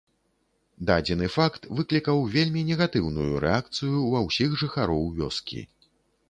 Дадзены факт выклікаў вельмі негатыўную рэакцыю ва ўсіх жыхароў вёскі.